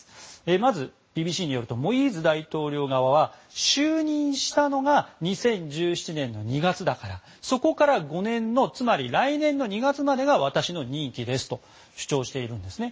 まず、ＢＢＣによるとモイーズ大統領側は就任したのが２０１７年の２月だからそこから５年の来年の２月までが私の任期ですと主張しているんですね。